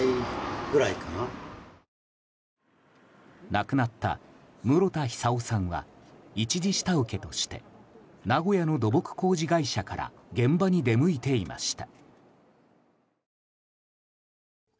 亡くなった室田久生さんは１次下請けとして名古屋の土木工事会社から現場に出向いていました。